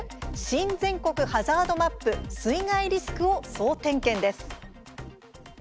新・全国ハザードマップ水害リスクを総点検」です。